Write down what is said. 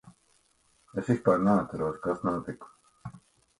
Es vispār neatceros, kas notika.